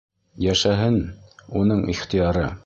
Йәшәһен, уның ихтыяры.